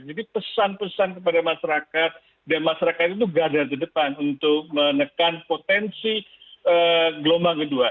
jadi pesan pesan kepada masyarakat dan masyarakat itu gadar ke depan untuk menekan potensi gelombang kedua